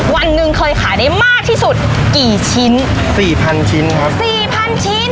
วันหนึ่งเคยขายได้มากที่สุดกี่ชิ้นสี่พันชิ้นครับสี่พันชิ้น